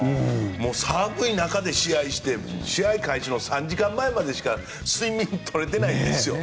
もう寒い中で試合して試合開始の３時間前までしか睡眠取れてないんですよ。